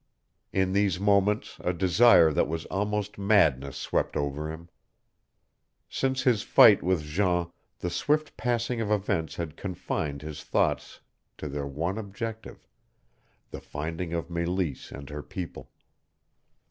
In these moments a desire that was almost madness swept over him. Since his fight with Jean the swift passing of events had confined his thoughts to their one objective the finding of Meleese and her people.